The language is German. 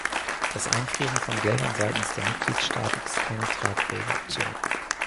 Das Einfrieren von Geldern seitens der Mitgliedstaaten ist keine tragfähige Option.